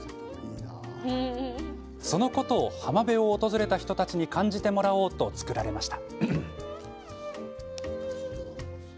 そのことを浜辺を訪れた人たちに感じてもらおうと作られました。